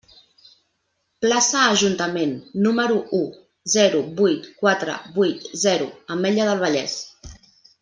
Plaça Ajuntament, número u, zero vuit quatre vuit zero, Ametlla del Vallès.